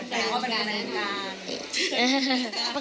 เป็นคนหนัง